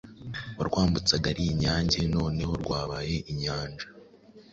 warwambutsaga ari inyange noneho rwabaye inyanja ,